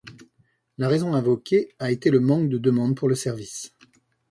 La raison invoquée a été le manque de demande pour le service.